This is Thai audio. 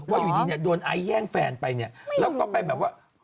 ว่าอยู่ดีโดนไอ้แย่งแฟนไปแล้วก็ไปแบบว่า